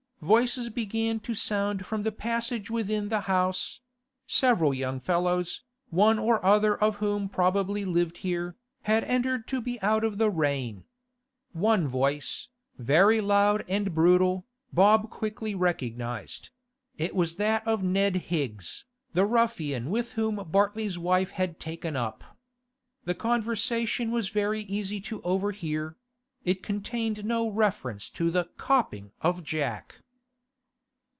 Voices began to sound from the passage within the house; several young fellows, one or other of whom probably lived here, had entered to be out of the rain. One voice, very loud and brutal, Bob quickly recognised; it was that of Ned Higgs, the ruffian with whom Bartley's wife had taken up. The conversation was very easy to overhear; it contained no reference to the 'copping' of Jack.